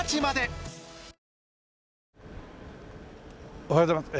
おはようございます。